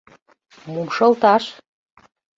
Мом шылташ?